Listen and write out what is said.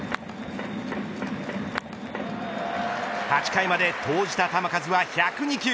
８回まで投じた球数は１０２球